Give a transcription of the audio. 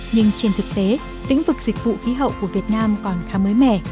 nhưng trên thực tế lĩnh vực dịch vụ khí hậu của việt nam còn khá mới mẻ